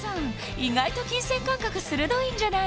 意外と金銭感覚鋭いんじゃない？